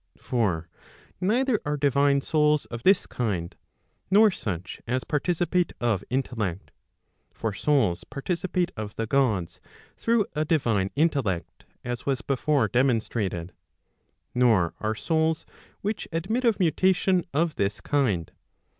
For neither are divine souls of this kind, nor such as participate of intellect. For souls participate of the Gods through a divine intellect, as was before demonstrated. Nor are souls which admit of mutation, of this kind.